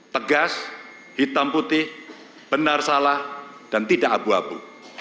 tegas hitam putih benar salah dan tidak abu abu